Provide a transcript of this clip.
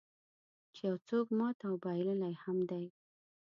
چې یو څوک مات او بایللی هم دی.